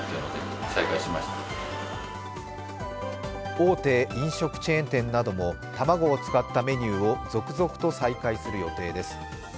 大手飲食チェーン店なども卵を使ったメニューを続々と再開する予定です。